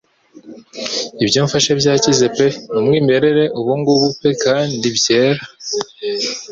Ibyo mfashe byakize pe umwimerere ubungubu pe kandi byera ...